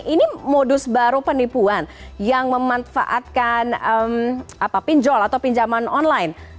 ini modus baru penipuan yang memanfaatkan pinjol atau pinjaman online